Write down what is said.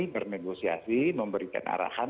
bernegosiasi memberikan arahan